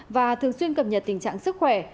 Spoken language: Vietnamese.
và thường xuyên cập nhật tình trạng sức khỏe